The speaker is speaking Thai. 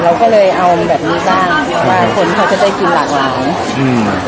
เราก็เลยเอาแบบนี้สร้างว่าคนเขาจะได้กินหลากหลายอืม